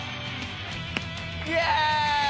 イエーイ！